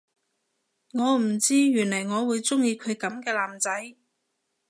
我唔知原來我會鍾意佢噉嘅男仔